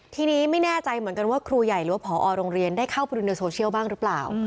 ทีนี้ไม่แน่ใจเหมือนกันว่าครูใหญ่หรือว่าผอโรงเรียนได้เข้าไปดูในโซเชียลบ้างหรือเปล่า